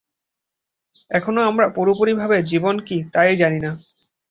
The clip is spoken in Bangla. এখনো আমরা পুরোপুরি ভাবে জীবন কী তা-ই জানি না।